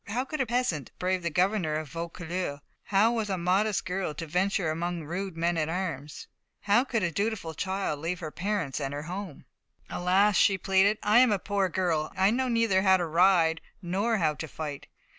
How could a peasant brave the governor of Vaucouleurs? How was a modest girl to venture among rude men at arms? How could a dutiful child leave her parents and her home? "Alas!" she pleaded, "I am a poor girl; I know neither how to ride nor how to fight."